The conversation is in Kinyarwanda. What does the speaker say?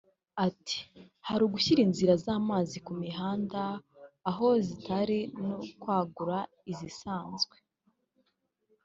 Ati “Hari ugushyira inzira z’amazi ku mihanda aho zitari no kwagura izisanzwe